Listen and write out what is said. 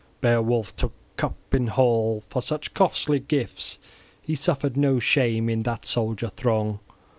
Beowulf took cup in hall: {15b} for such costly gifts he suffered no shame in that soldier throng.